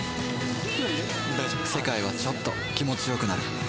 世界はちょっと気持ちよくなる